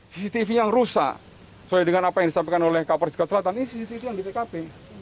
cctv yang rusak sesuai dengan apa yang disampaikan oleh kapolres jakarta selatan ini cctv yang di pkp